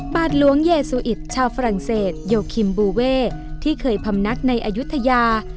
บาทหลวงเยซูอิตชาวฝรั่งเศสโยคิมบูเว่ที่เคยพำนักในอายุทยา